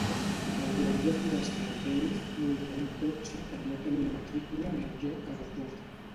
El guàrdia forestal Dave multa un cotxe per no tenir la matrícula en el lloc adequat